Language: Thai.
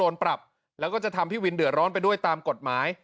ปรับแล้วก็จะทำให้วินเดือดร้อนไปด้วยตามกฎหมาย